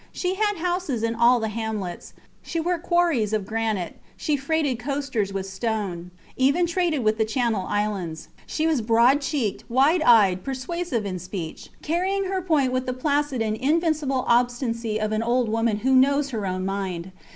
She had houses in all the hamlets, she worked quarries of granite, she freighted coasters with stone even traded with the Channel Islands. She was broad cheeked, wide eyed, persuasive in speech: carrying her point with the placid and invincible obstinacy of an old woman who knows her own mind.